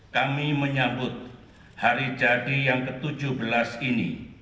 kami menyambut hari jadi yang ke tujuh belas ini